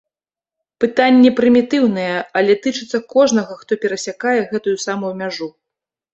Пытанні прымітыўныя, але тычацца кожнага, хто перасякае гэтую самую мяжу.